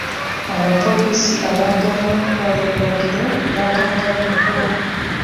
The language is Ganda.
Abapoliisi abaagaanye okutwala ebiragiro bakangavvuddwa.